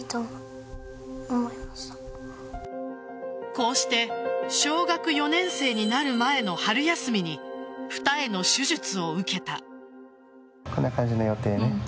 こうして小学４年生になる前の春休みに二重の手術を受けた。